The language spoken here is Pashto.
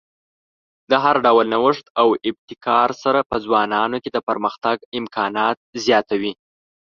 د هر ډول نوښت او ابتکار سره په ځوانانو کې د پرمختګ امکانات زیاتوي.